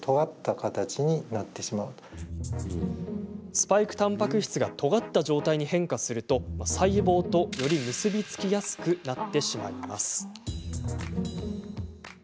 スパイクたんぱく質がとがった状態に変化すると細胞と、より結び付きやすくなってしまいます。